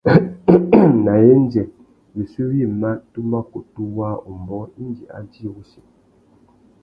Nà yêndzê wissú wïmá tu mà kutu waā umbōh indi a djï wussi.